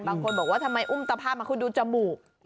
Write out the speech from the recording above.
บางคนบอกว่าทำไมอุ้มตะภาพมาคุณดูจมูก